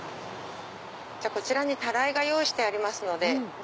こちらにタライが用意してありますので。